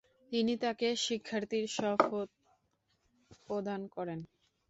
তিনি তাকে শিক্ষার্থীর শপথ প্রদান করেন।